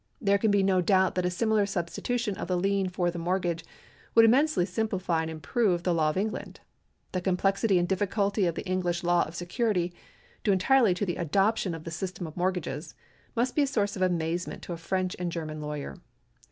There can be no doubt that a similar substitution of the lien for the mortgage would immensely simplify and improve the law of England. The complexity and difficulty of the English law of security — due entirely to the adoption of the system of mortgages — must be a source of amazement to a French or German lawyer.